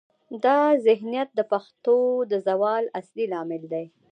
دا ذهنیت د پښتو د زوال اصلي لامل دی.